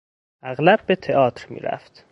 اغلب به تئاتر میرفت.